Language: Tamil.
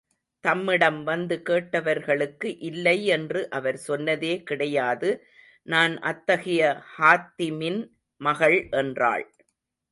தம்மிடம் வந்து கேட்டவர்களுக்கு இல்லை என்று அவர் சொன்னதே கிடையாது நான் அத்தகைய ஹாத்திமின் மகள் என்றாள்.